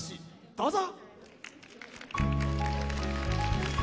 どうぞ。